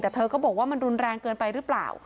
แต่เธอก็บอกว่ามันรุนแรงเกินไปหรือเปล่า